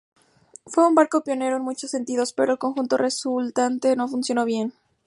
Fue un barco pionero en muchos sentidos, pero el conjunto resultante no funcionó bien.